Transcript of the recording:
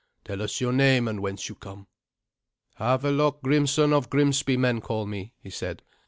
"Tell us your name, and whence you come." "Havelok Grimsson of Grimsby men call me," he said.